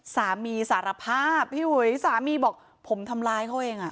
สามีสารภาพสามีบอกผมทำร้ายเขาเองอ่ะ